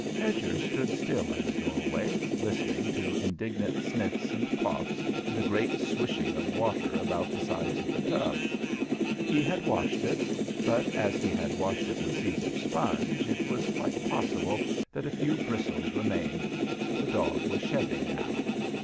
Hedger stood still in the doorway, listening to indignant sniffs and coughs and a great swishing of water about the sides of the tub. He had washed it; but as he had washed it with Caesar's sponge, it was quite possible that a few bristles remained; the dog was shedding now.